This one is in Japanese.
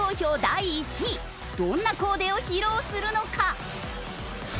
どんなコーデを披露するのか？